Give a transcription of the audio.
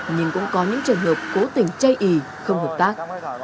nhưng cũng có những trường hợp cố tình chây ý không hợp tác